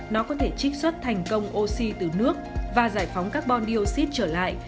nó có thể trích xuất thành công oxy từ nước và giải phóng carbon dioxide trở lại